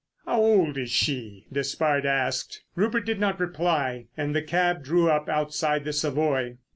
"How old is she?" Despard asked. Rupert did not reply, and the cab drew up outside the Savoy.